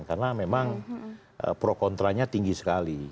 karena memang pro kontranya tinggi sekali